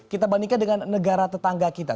kita bandingkan dengan negara tetangga kita